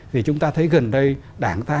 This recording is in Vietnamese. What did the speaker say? vì chúng ta thấy gần đây đảng ta